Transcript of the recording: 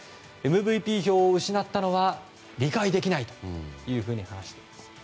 ＭＶＰ票を失ったのは理解できないと話しています。